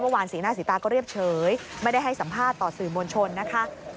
สีหน้าสีตาก็เรียบเฉยไม่ได้ให้สัมภาษณ์ต่อสื่อมวลชนนะคะ